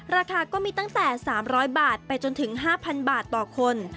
ราคาก็มีตั้งแต่๓๐๐บาทไปจนถึง๕๐๐บาทต่อคน